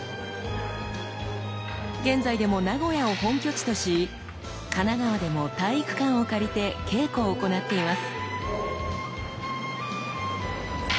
現在でも名古屋を本拠地とし神奈川でも体育館を借りて稽古を行っています。